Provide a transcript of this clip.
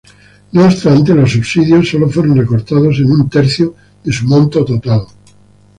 No obstante, los subsidios sólo fueron recortados en un tercio de su monto total.